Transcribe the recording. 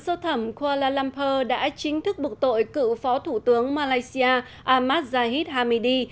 sản phẩm kuala lumpur đã chính thức bục tội cựu phó thủ tướng malaysia ahmad zahid hamidi